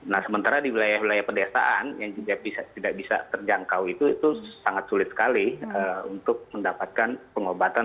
nah sementara di wilayah wilayah pedesaan yang tidak bisa terjangkau itu sangat sulit sekali untuk mendapatkan pengobatan